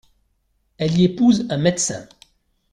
Elle y épouse un médecin.